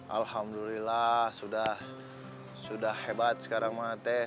alhamdulillah sudah hebat sekarang mengateh